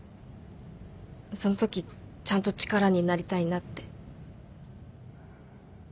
そのときちゃんと力になりたいなって